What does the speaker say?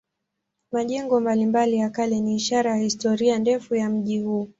Majengo mbalimbali ya kale ni ishara ya historia ndefu ya mji huu.